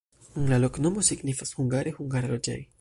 La loknomo signifas hungare: hungara-loĝej'.